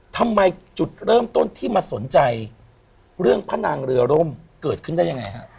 ทำไมจุดเริ่มต้นที่มาสนใจเรื่องพระนางเรือร่มเกิดขึ้นได้ยังไงฮะ